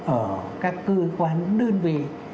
ở các cơ quan đơn vị